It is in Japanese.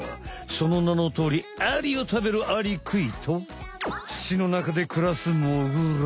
そのなのとおりアリを食べるアリクイと土の中でくらすモグラ。